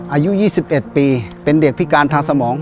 อายุ๒๑ปีเป็นเด็กพิการทางสมอง